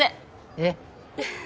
えっ？